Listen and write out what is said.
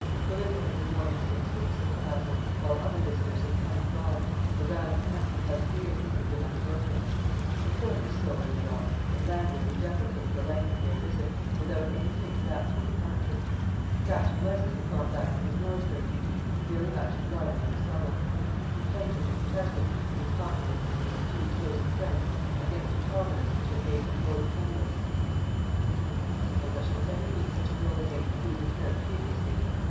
Clarissa had been more than six weeks at the Castle, while other visitors had come and gone, and the round of country house gaieties had been unbroken. The Fermors still lingered on, and languidly deprecated the length of their visit, without any hint of actual departure. Captain Westleigh had gone back to his military duties, very much in love with Miss Lovel. He plaintively protested, in his confidences with a few chosen friends, against a Providence which had made them both penniless. "I don't suppose I shall ever meet such a girl again," he would declare piteously.